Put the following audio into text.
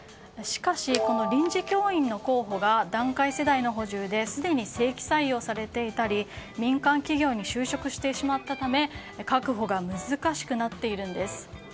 しかし、この臨時教員の候補が団塊世代の補充ですでに正規採用されていたり民間企業に就職されてしまったため確保が難しくなっているんです。